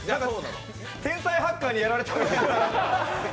天才ハッカーにやられたみたいな。